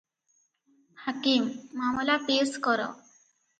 ହାକିମ - ମାମଲା ପେଶ୍ କର ।